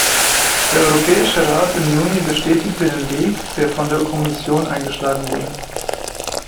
Der Europäische Rat im Juni bestätigte den Weg, der von der Kommission eingeschlagen wurde.